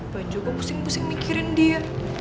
bukan juga pusing pusing mikirin dia